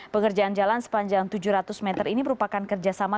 pengerjaan jalan sepanjang tujuh ratus meter ini merupakan kerjasama